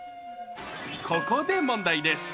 ここで問題です。